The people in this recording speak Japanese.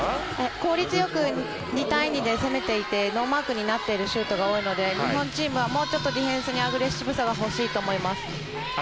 効率よく２対２で攻めていてノーマークになっているシュートが多いので日本チームはもうちょっとディフェンスにアグレッシブさがほしいと思います。